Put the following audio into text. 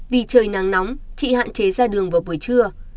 vì trời nắng nóng chị hạn chế ra đường vào buổi trưa